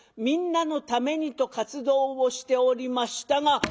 みんなのためにと活動をしておりましたが。